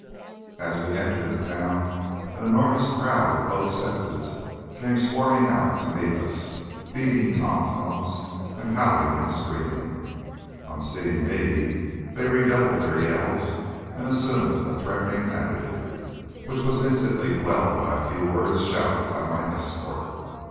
As we entered the town an enormous crowd of both sexes came swarming out to meet us, beating tom toms and howling and screaming. On seeing me they redoubled their yells and assumed a threatening attitude, which was instantly quelled by a few words shouted by my escort.